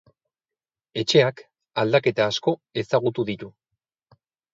Etxeak aldaketa asko ezagutu ditu.